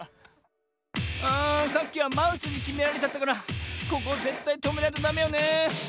あさっきはマウスにきめられちゃったからここはぜったいとめないとダメよね。